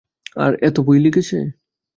আর এত বই লিখেছে?